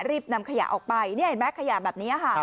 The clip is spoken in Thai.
รีบนำขยะออกไปนี่เห็นไหมขยะแบบนี้ค่ะ